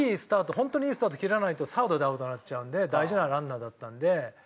切らないとサードでアウトになっちゃうんで大事なランナーだったんで。